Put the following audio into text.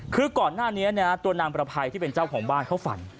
คือก่อนหน้านี้ตัวนางประภัยที่เป็นเจ้าของบ้านเขาฝัน